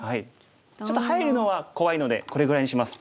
ちょっと入るのは怖いのでこれぐらいにします。